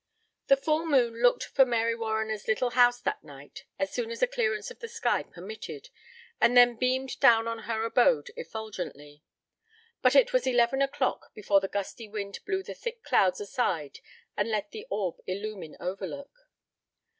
The full moon looked for Mary Warriner's little house that night as soon as a clearance of the sky permitted, and then beamed down on her abode effulgently. But it was eleven o'clock before the gusty wind blew the thick clouds aside and let the orb illumine Overlook.